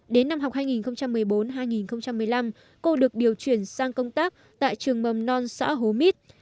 đến năm học hai nghìn một mươi bốn hai nghìn một mươi năm cô được điều chuyển sang công tác tại trường mầm non xã hố mít